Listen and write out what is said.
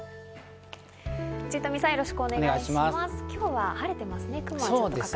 今日は晴れてますね。